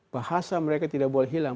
bahasa mereka tidak boleh hilang